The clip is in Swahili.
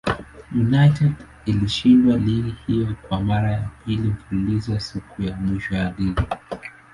United ilishinda ligi hiyo kwa mara ya pili mfululizo siku ya mwisho ya ligi.